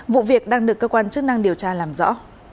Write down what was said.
vụ việc đang được cơ quan chức năng điều tra làm rõ